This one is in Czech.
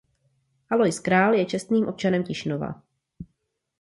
Alois Král je čestným občanem Tišnova.